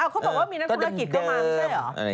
เขาบอกว่ามีนักธุรกิจเข้ามาไม่ใช่เหรอ